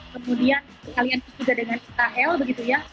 kemudian aliansi juga dengan israel begitu ya